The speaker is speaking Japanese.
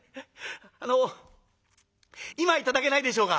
あの今頂けないでしょうか」。